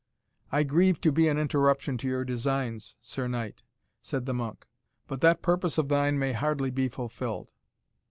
"I grieve to be an interruption to your designs, Sir Knight," said the monk, "but that purpose of thine may hardly be fulfilled."